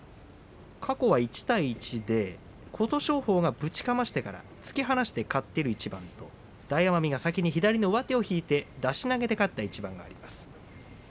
過去は１対１で琴勝峰がぶちかましてから突き放して勝っている一番と大奄美が先に左上手を引いて出し投げで勝った一番があります。